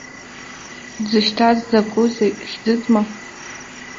Дзышьҭаз закәызеи, хьӡызма?